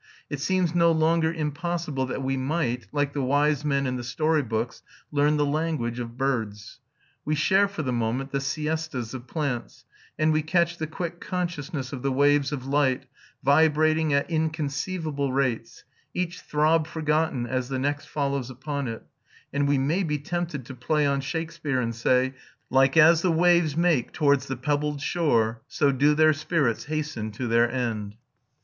It seems no longer impossible that we might, like the wise men in the story books, learn the language of birds; we share for the moment the siestas of plants; and we catch the quick consciousness of the waves of light, vibrating at inconceivable rates, each throb forgotten as the next follows upon it; and we may be tempted to play on Shakespeare and say: "Like as the waves make towards the pebbled shore, So do their spirits hasten to their end."